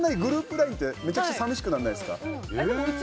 ＬＩＮＥってめちゃくちゃ寂しくならないですか。